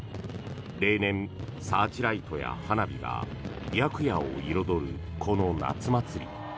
例年、サーチライトや花火が白夜を彩るこの夏祭り。